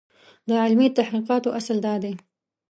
د علمي تحقیقاتو اصل دا دی.